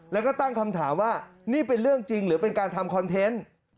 แล้วก็ตั้งคำถามว่านี่เป็นเรื่องจริงหรือเป็นการทำคอนเทนต์